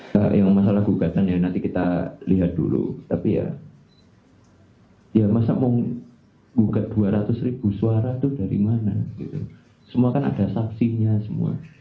gugat dua ratus ribu suara itu dari mana semua kan ada saksinya semua